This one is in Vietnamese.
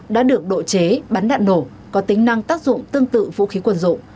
đã được đồ chế bắn đạn nổ có tính năng tác dụng tương tự vũ khí quân dụng